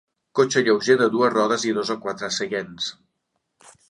Cotxe lleuger de dues rodes i dos o quatre seients.